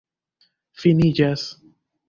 finiĝas